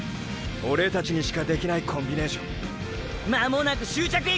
オレたちにしかできないコンビネーションまもなく終着駅！！